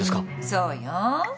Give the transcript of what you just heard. そうよん。